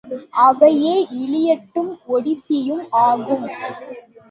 அவையே இலியட்டும் ஒடிசியும் ஆகும்.